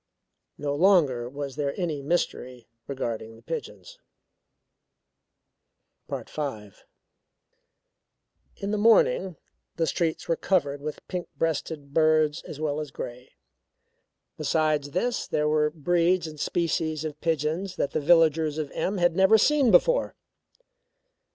No longer was there any mystery regarding the pigeons. V In the morning the streets were covered with pink breasted birds as well as grey. Besides this, there were breeds and species of pigeons that the villagers of M had never seen before.